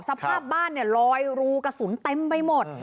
สภาพบ้านเนี่ยลอยรูกระสุนเต็มไปหมด